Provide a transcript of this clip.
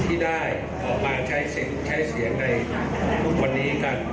ที่ได้ออกมาใช้เสียงในวันนี้กัน